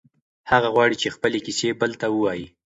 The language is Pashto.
هغه غواړي چې خپلې کیسې بل ته ووایي.